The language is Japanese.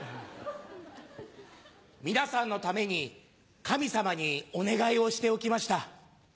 皆さんのために神様にお願いをしておきました。